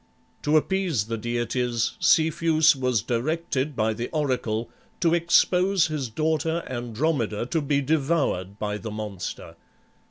To appease the deities, Cepheus was directed by the oracle to expose his daughter Andromeda to be devoured by the monster.